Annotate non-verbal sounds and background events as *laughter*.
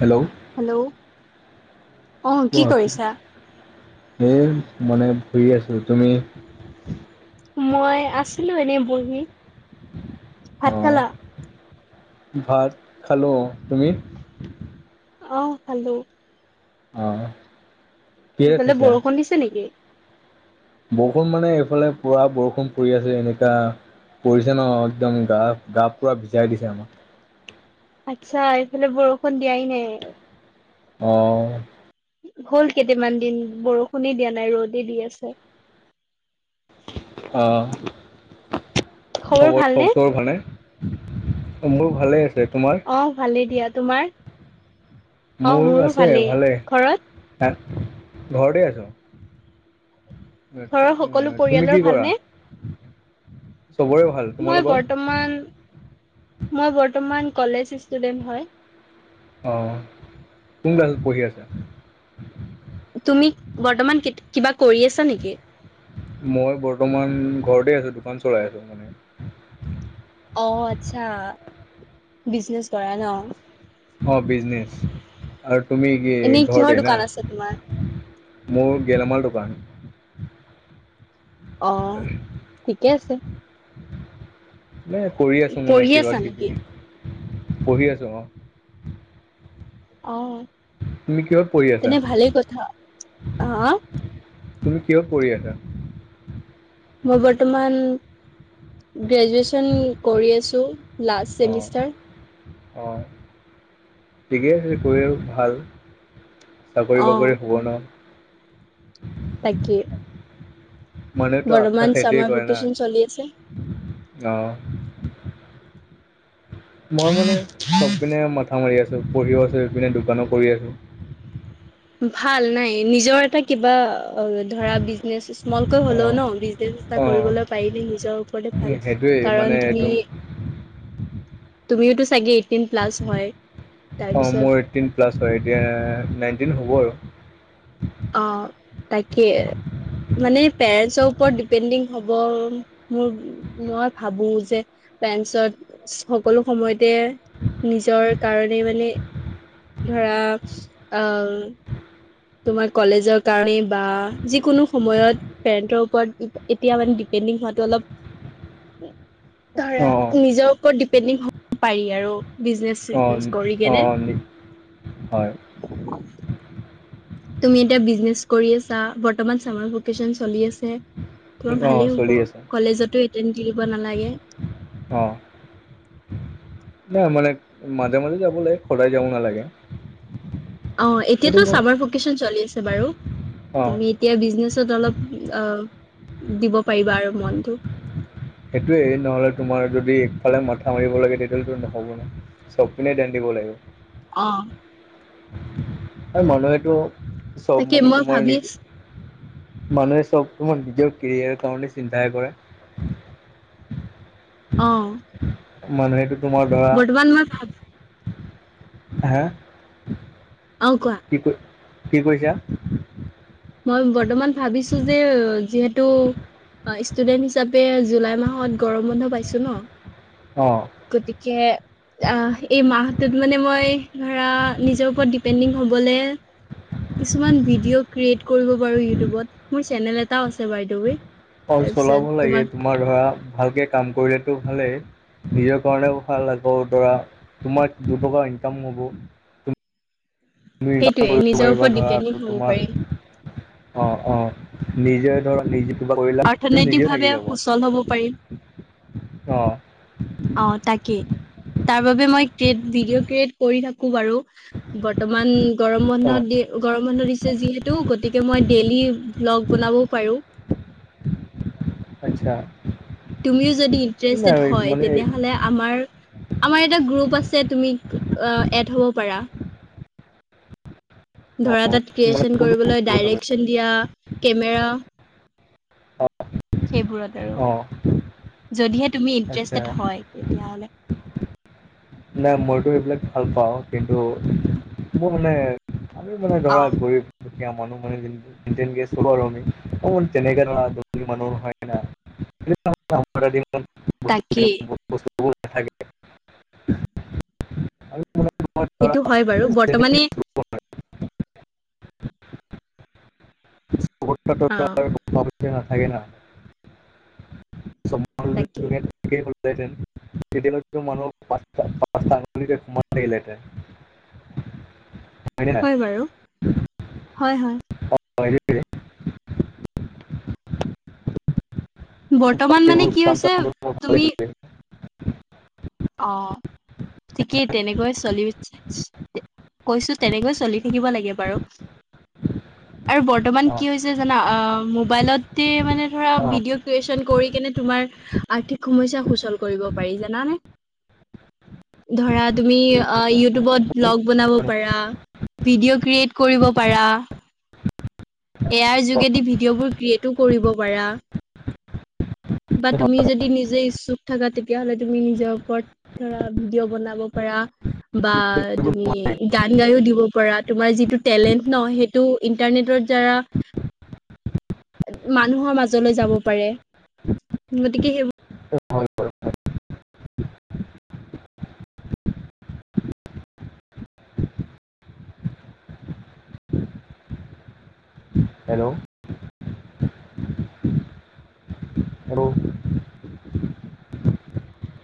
Hello hello কোৱা কি এ মানে ঘুৰি আছিলো তুমি মই আছিলো এনেই বহি ভাত অঁ খালা ভাত খালোঁ তুমি অ খালোঁ অঁ কিহেৰে হেফালে খাইছা বৰষুণ দিছে নেকি বৰষুণ মানে এইফালে পুৰা বৰষুণ পৰি আছে এনেকা পৰিছে ন একদম গা গা পুৰা ভিজাই দিছে আমাক আচ্ছা এইফালে বৰষুণ দিয়াই নাই অঁ হ'ল কেইটামান দিন বৰষুণে দিয়া নাই ৰ'দে দি আছে অ খবৰ খবৰ চবৰ ভাল নে অ মোৰ ভালে আছে তোমাৰ অ ভালেই দিয়া তোমাৰ অ মোৰ মোৰো আছে ভালেই ঘৰত? তাৰ ঘৰতে আছোঁ ঘৰৰ সকলো তুমি কি পৰিয়ালৰ কৰা ভালনে? চবৰে ভাল মই তোমালোকৰ বৰ্তমান মই বৰ্তমান কলেজ ষ্টুডেন্ট হয়। অ', কোন ক্লাছত পঢ়ি আছা? তুমি বৰ্তমান কিবা কৰি আছা নেকি? মই বৰ্তমান ঘৰতে আছো দোকান চলাই আছো মানে। অ' আচ্ছা, বিজনেছ কৰা ন'? অ', বিজনেচ আৰু তুমি কি এনেই কিহৰ ঘৰতে দোকান আছে তোমাৰ? ন'? মোৰ গেলামাল দোকান। অ', ঠিকে আছে। মানে কৰি আছো মানে পঢ়ি কিবা আছা নেকি? কিবি পঢ়ি আছো অ'। অ', তুমি কিহত পঢ়ি আছা তেনে ভালেই কথা, আহ? তুমি কিহত পঢ়ি আছা? মই বৰ্তমান গ্ৰেজুৱে্চন কৰি আছোঁ। অ', অ', ঠিকে আছে কৰিলে ভাল। অ চাকৰি-বাকৰি হ'ব ন'! তাকে। মানুহেতো আশা বৰ্তমান সেইটোৱে চামাৰ কৰে না, ভেকেচন চলি আছে আহ। মই মানে চবপিনে মথা মাৰি আছোঁ, পঢ়িও আছো ইপিনে দোকানো কৰি আছোঁ। ভাল নাই নিজৰ এটা কিবা অ', ধৰা বিজনেছ স্মলকৈ হ'লেও অঁ ন' বিজনেচ এটা অঁ কৰিবলৈ পাৰিলে নিজৰ ওপৰতে ভাল। সেইটোৱেই কাৰণ মানে একদম। তুমি তো চাগে এইটিন প্লাছ হয় অ', তাৰপিছত মোৰ এইটটিন প্লাছ হয়, এতিয়া নাইনটিন হ'ব আৰু। অ', তাকে। মানে পেৰেন্টছৰ ওপৰত ডিপেণ্ডিং হ'ব মোৰ মই ভাবো যে, পেৰেণ্টছৰ সকলো সময়তে নিজৰ কাৰণে, মানে ধৰা অ' তোমাৰ কলেজৰ কাৰণে, বা যিকোনো সময়ত পেৰেণ্ন্টৰ ওপৰত এতিয়া মানে ডিপেণ্ডিং হোৱাটো অলপ *inaudible* ধৰা নিজৰ ওপৰত ডিপেণ্ডিং হ'ব পাৰি আৰু। অঁ বিজনেছ-চিজনেছ কৰি কেনে অঁ অঁ হয় তুমি এতিয়া বিজনেচ কৰি আছা বৰ্তমান চামাৰ ভকেচন চলি আছে। তোমাৰ অঁ ভালেই চলি হ'ব আছে কলেজতো এটেণ্ড দিব নালাগে। অ'। নাই মানে মাজে মাজে যাব লাগে সদায় যাব নালাগে। অ', এইটো এতিয়াতো মই চাবাৰ ভেকেচন চলি আছে বাৰু অঁ তুমি এতিয়া বিজনেছত অলপ দিব পাৰিবা আৰু মনটো। সেইটোয়ে নহ'লে তোমাৰ যদি একফালে মাথা মাৰিব লাগে তেতিয়াহ'লেটো নহ'ব ন'। চব পিনে ধ্যান দিব লাগিব। অ'। আৰু মানুহটো চ'ব তাকে মানে মই তোমাৰ ভাবি নিজে আছো মানুহে চব তোমাৰ নিজৰ কেৰিয়াৰ কাৰনে চিন্তাহে কৰে। অ'। মানুহেটো বৰ্তমান মই ভা- হে অ কোৱা? কি ক কি কৈছা? মই বৰ্তমান ভাবিছো যে যিহেতু, অ ষ্টুডেণ্ট হিচাপে জুলাই মাহত গৰম বন্ধ পাইছো ন? অ গতিকে এই মাহটোত মানে মই ধৰা নিজৰ ওপৰত ডিপেণ্ডিং হ'বলে কিছুমান ভিডিঅ' ক্ৰিয়েট কৰিব পাৰো ইউটিউবত। মোৰ চেনেল এটাও আছে বাইদেউৱ। অ চলাব লাগে তোমাৰ ধৰা ভালকে কাম কৰিলেতো ভালেই। নিজৰ কাৰণেও ভাল লাগব দৰা তোমাৰ দুটকা ইনকাম হ'ব। সেইটোৱে *unintelligible* নিজৰ পাৰিবা ওপৰত ধৰা ডিপেণ্ডিং হ'ব তোমাৰ পাৰি। অ অ নিজে ধৰক নিজে কিবা কৰিল নিজে অৰ্থনৈতিকভাৱে ভাগি যাব সুচল হ'ব পাৰিম। অ অ' তাকেই তাৰ বাবে মই ক্ৰিয়েট ভিডিঅ' ক্ৰিয়েট কৰি থাকো বাৰু। বৰ্তমান গৰম অ বন্ধ দি গৰম বন্ধ দিছে যিহেতু, গতিকে মই ডেইলি ভ্লগ বনাবও পাৰোঁ। আচ্ছা তুমিও যদি ইন্টাৰেষ্টেড নাই হয় মানে তেনেহ'লে, আমাৰ আমাৰ এটা গ্ৰুপ আছে তুমি এড হ'ব পাৰা। অ ধৰা তাত মানে ক্ৰিয়েচন কৰিবলৈ কোনটো ডাইৰেকচন দিয়া কেমেৰা। অ সেইবোৰত আৰু। অ যদিহে তুমি আচ্ছা ইন্টাৰেষ্টেড হয় তেতিয়াহলে। নাই মইতো এইবিলাক ভাল পাওঁ। কিন্তু মোৰ মানে আমি মানে ধৰা অ' গৰীব দুখীয়া মানুহ ম চলো আৰু আমি অ তেনেকে *unintelligible* ধী মানুহ হয় ন তাকেই। *unintelligible* সেইটো হয় বাৰু *unintelligible* বৰ্তমানে অ' *unintelligible* না থাকে না। তাকে *unintelligible* তেতিয়া মানুহক *unintelligible* হয় বাৰু। হয়, হয়। হয় *unintelligible* বৰ্তমান মানে কি কাম হৈছে চামবোৰ মোৰ ভালেই তুমি। চলি অ ঠিকেই তেনেকৈয় চলি, কৈছো তেনেকৈয় চলি। থাকিব লাগে বাৰু। *unintelligible* আৰু বৰ্তমান কি হৈছে জানা? মোবাইলতে মানে ধৰা ভিডিঅ' ক্ৰিয়েচন কৰি কেনে তোমাৰ। আৰ্থিক সমস্যা সুচল কৰিব পাৰি জানা? ধৰা তুমি ইউটিউবত ব্লগ বনাব পাৰা, ভিডিঅ ক্ৰিয়েট কৰিব পাৰা। এয়াৰ যোগেদি ভিডিঅ' বোৰ ক্ৰিয়েটো কৰিব পাৰা। বা তুমি যদি নিজে ইচ্ছুক থাকা তেতিয়াহ'লে তুমি নিজক। ধৰা ভিডিঅ' বনাব পাৰা, বা আছে অ তুমি অ গান গাইও দিব পাৰা। কৰা তোমাৰ যিটো টেলেণ্ট ন' সেইটো ইন্টাৰনেটৰ জাৰা মানুহৰ মাজলৈ যাব পাৰে, গতিকে সেইবোৰ হয় হয় হেল্ল'। হেল্ল'